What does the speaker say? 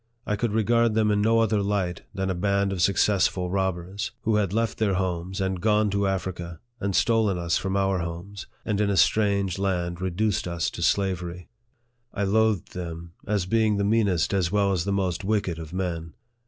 I could regard them in no other light than a band of successful robbers, who had left their homes, and gone to Africa, and stolen us from our homes, and in a strange land reduced us to slavery. I loathed them as being the meanest as well as the most wicked of men.